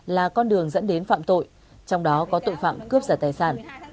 là con đường dẫn đến phạm tội trong đó có tội phạm cướp giật tài sản